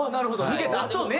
抜けたあとね。